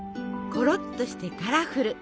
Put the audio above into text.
ころっとしてカラフル！